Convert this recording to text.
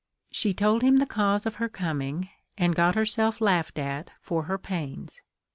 She told him the cause of her coming, and got herself laughed at for her pains.